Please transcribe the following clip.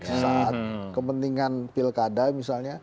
sesaat kepentingan pilkada misalnya